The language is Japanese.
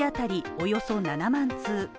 およそ７万通